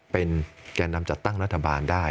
เป็นแก่นำจัดตั้งรัฐบาลได้